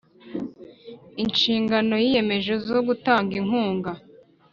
Inshingano yiyemeje zo gutanga inkunga